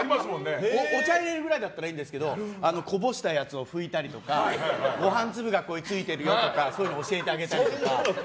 お茶入れるくらいならいいんですけどこぼしたやつを拭いたりとかご飯粒がついてるよとかそういうのを教えてあげたりとか。